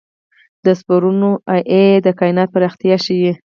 د سوپرنووا Ia د کائنات پراختیا ښيي.